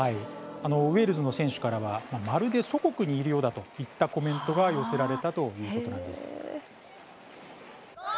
ウェールズの選手からはまるで祖国にいるようだといったコメントが寄せられたということです。